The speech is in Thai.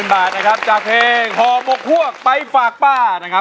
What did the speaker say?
รับไปแล้ว๖๐๐๐๐บาทจากเพลงพอมกภวกไปฝากป้า